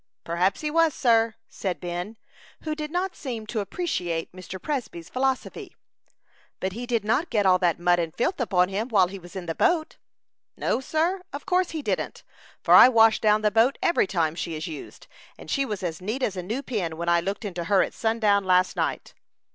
"Perhaps he was, sir," said Ben, who did not seem to appreciate Mr. Presby's philosophy. "But he did not get all that mud and filth upon him while he was in the boat." "No, sir, of course he didn't; for I wash down the boat every time she is used, and she was as neat as a new pin when I looked into her at sundown last night."